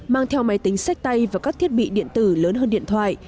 mang theo máy tính sách tay và các thiết bị điện tử lớn hơn điện thoại